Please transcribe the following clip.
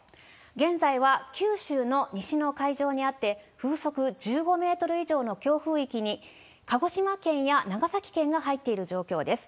現在は九州の西の海上にあって、風速１５メートル以上の強風域に、鹿児島県や長崎県が入っている状況です。